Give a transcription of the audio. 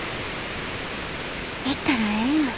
行ったらええやん。